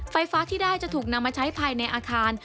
ไฟฟ้าที่ได้จะถูกนำมาใช้ภายในอาคาร